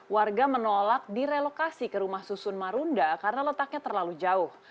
warga menolak direlokasi ke rumah susun marunda karena letaknya terlalu jauh